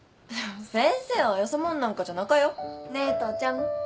先生はよそもんなんかじゃなかよねえ父ちゃん。